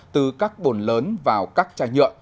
từ các bồn lớn vào các chai nhựa